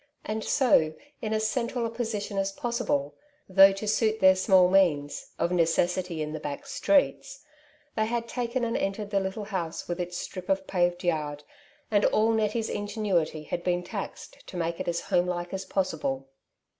And so in as cen trfil a position as possible— though to suit their small means, of necessity in the back streets — ^they bad taken and entered the little house with its strip of paved yard, and all Nettie's ingenuity had been 8 *' Two Sides to every Question. taxed to make it as home like as possible.